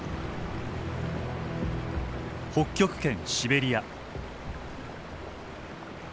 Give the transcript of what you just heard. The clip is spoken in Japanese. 北極圏シベリア。